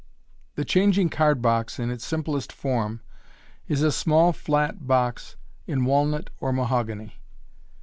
— The changing card box in its simplest form is a small flat box in walnut or mahogany.